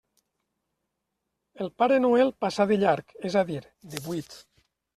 El Pare Noel passà de llarg, és a dir, de buit.